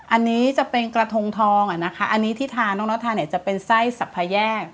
อันนี้จะเป็นกระทงทองอ่ะนะคะอันนี้ที่ทานน้องน็อตทาเนี่ยจะเป็นไส้สัพพแยก